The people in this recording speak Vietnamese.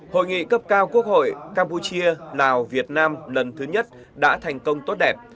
hội nghị cấp cao quốc hội campuchia lào việt nam lần thứ nhất đã thành công tốt đẹp